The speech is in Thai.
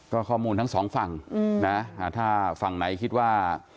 ก็ข้อมูลทั้งสองฝั่งนะถ้าฝั่งไหนคิดว่า